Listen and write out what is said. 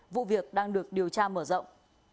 vụ việc đang được điều tra mở rộng